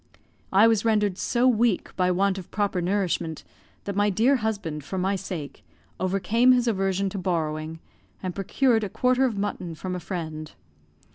I was rendered so weak by want of proper nourishment that my dear husband, for my sake, overcame his aversion to borrowing, and procured a quarter of mutton from a friend.